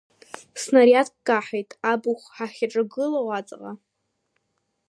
Снариадк каҳаит абахә ҳахьаҿагылоу аҵаҟа…